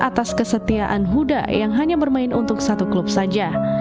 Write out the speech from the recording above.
atas kesetiaan huda yang hanya bermain untuk satu klub saja